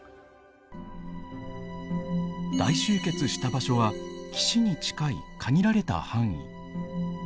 大集結した場所は岸に近い限られた範囲。